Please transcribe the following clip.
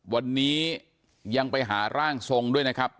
วันนี้ยังไปหาร่างทรงด้วยนะครับ